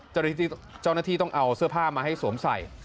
เจ้าหน้าที่ต้องเอาเสื้อผ้ามาให้สวมใส่